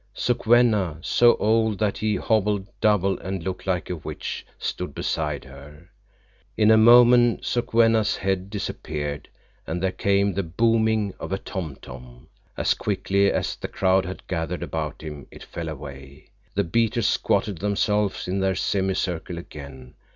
Sokwenna, so old that he hobbled double and looked like a witch, stood beside her. In a moment Sokwenna's head disappeared, and there came the booming of a tom tom. As quickly as the crowd had gathered about him, it fell away. The beaters squatted themselves in their semicircle again.